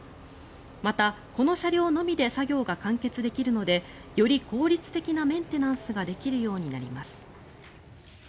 また、この車両のみで作業が完結できるのでより効率的なメンテナンスができるようになります。